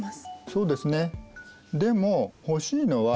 そうですね。